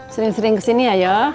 sering sering kesini ya